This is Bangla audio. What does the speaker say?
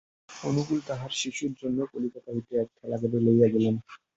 অনুকূল তাঁহার শিশুর জন্য কলিকাতা হইতে এক ঠেলাগাড়ি লইয়া গেলেন।